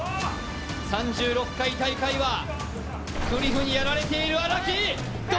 ３６回大会はクリフにやられている荒木。